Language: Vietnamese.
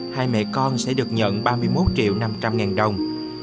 hai mẹ con sẽ được nhận ba mươi một triệu năm trăm linh ngàn đồng